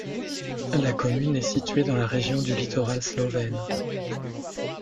La commune est située dans la région du Littoral slovène.